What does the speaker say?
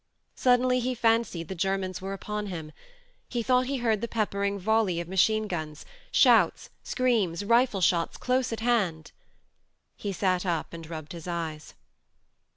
Suddenly he fancied the Germans were upon him. He thought he heard the peppering volley of machine guns, shouts, screams, rifle shots close at hand. ... He sat up and rubbed his eyes.